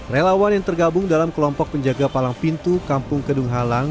relawan yang tergabung dalam kelompok penjaga palang pintu kampung kedung halang